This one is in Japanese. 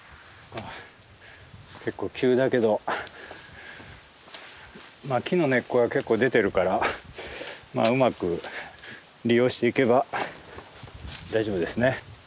結構急だけど木の根っこが結構出てるからまあうまく利用していけば大丈夫ですね。